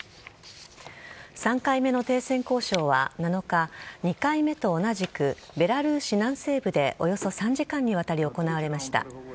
３回目の停戦交渉は７日、２回目と同じく、ベラルーシ南西部でおよそ３時間にわたり行われました。